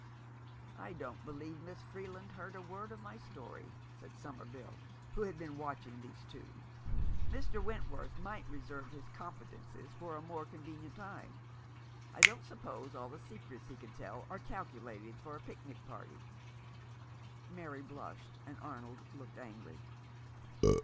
"I don't believe Miss Freeland heard a word 374 The Enemy and Avenger. of my story," said Somerville, who had been watching these two. "Mr. Wentworth might reserve his confidences for a more convenient time. I don't suppose all the secrets he could tell are calculated for a picnic party." Mary blushed, and Arnold looked angry.